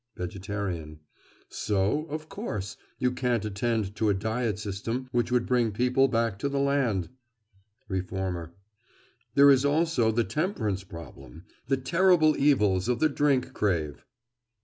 VEGETARIAN: So, of course, you can't attend to a diet system which would bring people back to the land! REFORMER: There is also the temperance problem—the terrible evils of the drink crave.